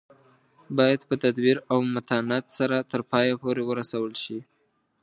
باید په تدبیر او متانت سره تر پایه پورې ورسول شي.